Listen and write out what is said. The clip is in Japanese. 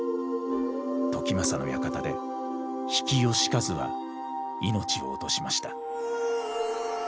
時政の館で比企能員は命を落としました。